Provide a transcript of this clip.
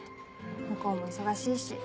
向こうも忙しいし。